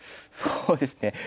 そうですね。